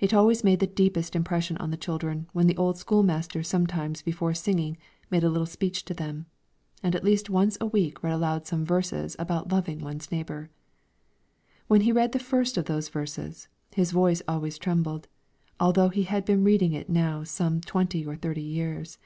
It always made the deepest impression on the children when the old school master sometimes before singing made a little speech to them, and at least once a week read aloud some verses about loving one's neighbor. When he read the first of those verses, his voice always trembled, although he had been reading it now some twenty or thirty years.